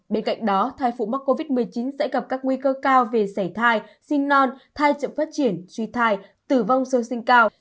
bên cạnh đó thai phụ mắc covid một mươi chín sẽ gặp các nguy cơ cao về xảy thai sinh non thai chậm phát triển suy thai tử vong sơ sinh cao